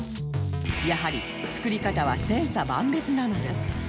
やはり作り方は千差万別なのです